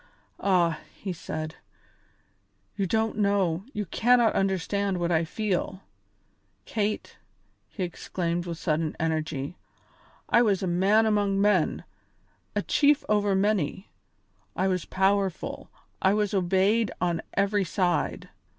"Ah!" he said, "you don't know, you cannot understand what I feel. Kate," he exclaimed with sudden energy, "I was a man among men; a chief over many. I was powerful, I was obeyed on every side.